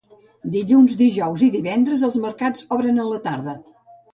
Dilluns, dijous i divendres els mercats obren a la tarda.